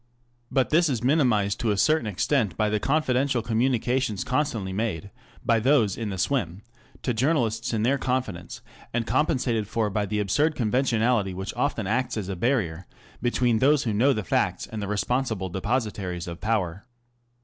But this is minimized to a certain extent by the confidential communications constantly made, by those in the " swim/ 9 to journalists in their confidence, and compensated for by the absurd conventionality which often acts as a barrier between those who know the facts and the responsible depositaries of power.